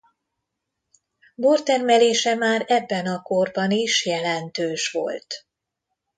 Bortermelése már ebben a korban is jelentős volt.